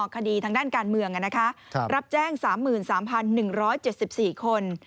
คดีทางด้านการเมืองรับแจ้ง๓๓๑๗๔คน